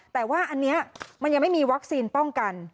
แต่ว่าอันนี้มันยังไม่มีวัคซีนป้องกัน